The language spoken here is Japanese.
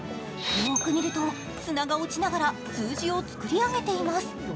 よく見ると、砂が落ちながら数字を作り上げています。